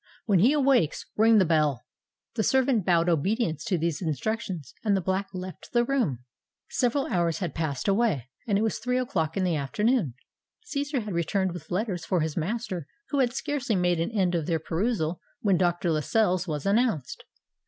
"When he awakes, ring the bell." The servant bowed obedience to these instructions; and the Black left the room. Several hours had passed away, and it was three o'clock in the afternoon. Cæsar had returned with letters for his master, who had scarcely made an end of their perusal when Dr. Lascelles was announced.